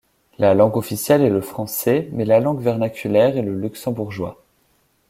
La langue officielle est le français, mais la langue vernaculaire est le luxembourgeois.